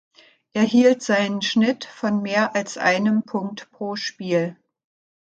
Er hielt seinen Schnitt von mehr als einem Punkt pro Spiel.